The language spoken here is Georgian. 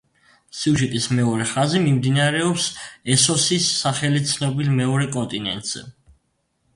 სიუჟეტის მეორე ხაზი მიმდინარეობს ესოსის სახელით ცნობილ მეორე კონტინენტზე.